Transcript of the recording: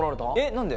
何で？